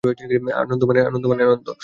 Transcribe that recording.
আনন্দ মানে আনন্দ।